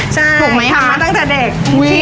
ใช่ทำมาตั้งแต่เด็ก